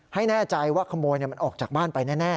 ให้แน่ใจว่าขโมยมันออกจากบ้านไปแน่